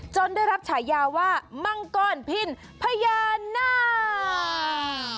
ได้รับฉายาว่ามังกรพินพญานาค